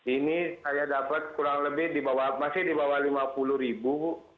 ini saya dapat kurang lebih di bawah masih di bawah rp lima puluh bu